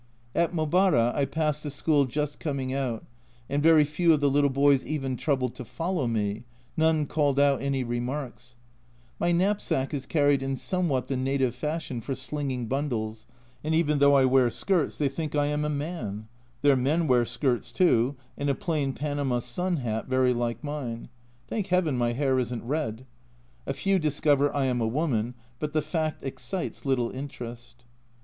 At Mobara I passed a school just coming out, and very few of the little boys even troubled to follow me ; none called out any remarks. My knapsack is carried in somewhat the native fashion for slinging bundles, and even though I wear skirts, they think I am a man their men wear skirts too, and a plain panama sun hat very like mine. Thank heaven my hair isn't red. A few discover I am a woman, but the fact excites little interest.